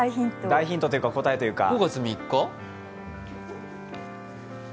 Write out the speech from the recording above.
大ヒントというか答えというか。